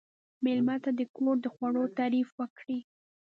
مېلمه ته د کور د خوړو تعریف وکړئ.